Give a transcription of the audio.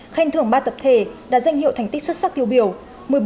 khen thưởng ba tập thể đạt danh hiệu thành tích xuất sắc tiêu biểu